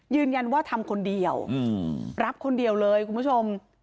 ยืนยันว่าทำคนเดียวรับคนเดียวเลยคุณผู้ชม